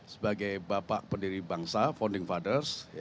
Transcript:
sebagai bapak pendiri bangsa founding fathers